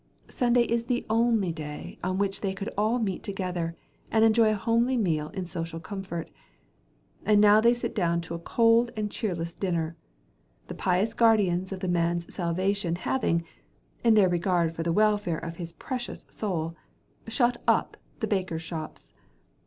Sunday is the only day on which they could all meet together, and enjoy a homely meal in social comfort; and now they sit down to a cold and cheerless dinner: the pious guardians of the man's salvation having, in their regard for the welfare of his precious soul, shut up the bakers' shops.